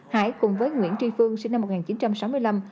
hải cùng với nguyễn tri phương sinh năm một nghìn chín trăm sáu mươi năm